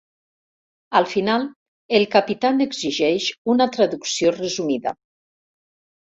Al final, el capità n'exigeix una traducció resumida.